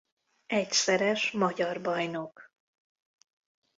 Egyszeres magyar bajnok.